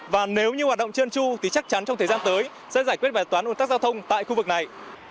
và nếu như hoạt động trơn tru thì chắc chắn trong thời gian tới sẽ giải quyết bài toán ồn tắc giao thông tại khu vực này